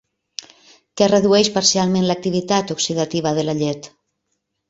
Què redueix parcialment l'activitat oxidativa de la llet?